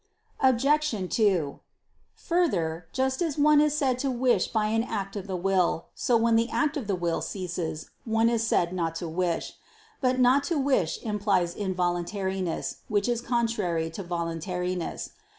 Obj. 2: Further, just as one is said to wish by an act of the will, so when the act of the will ceases, one is said not to wish. But not to wish implies involuntariness, which is contrary to voluntariness.